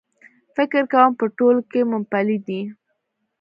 فکر کوم په ټولو کې مومپلي دي.H